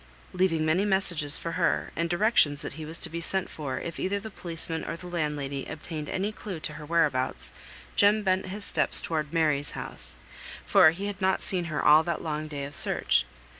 Leaving many messages for her, and directions that he was to be sent for if either the policeman or the landlady obtained any clue to her where abouts, Jem bent his steps towards Mary's house; for he had not seen her all that long day of search.